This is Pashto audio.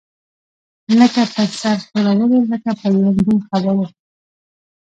لکه په سر ښورولو، لکه په لنډو خبرو.